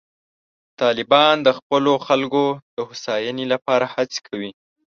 طالبان د خپلو خلکو د هوساینې لپاره هڅې کوي.